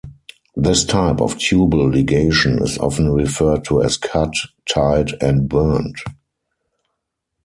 This type of tubal ligation is often referred to as cut, tied, and burned.